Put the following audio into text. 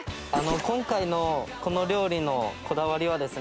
今回のこの料理のこだわりはですね